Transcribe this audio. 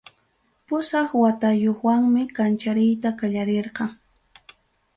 Pusaq watayuqwanmi kanchariyta qallarirqa.